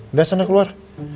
udah sana keluar